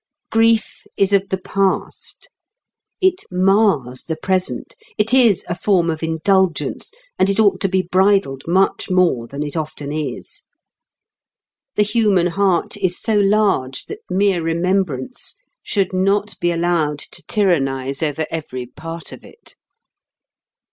Grief is of the past; it mars the present; it is a form of indulgence, and it ought to be bridled much more than it often is. The human heart is so large that mere remembrance should not be allowed to tyrannize over every part of it.